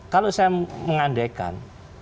kalau saya mengandalkan